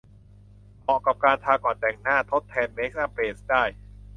เหมาะกับการทาก่อนแต่งหน้าทดแทนเมคอัพเบสได้